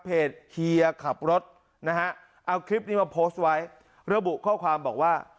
เฮียขับรถนะฮะเอาคลิปนี้มาโพสต์ไว้ระบุข้อความบอกว่า